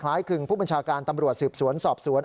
คึงผู้บัญชาการตำรวจสืบสวนสอบสวน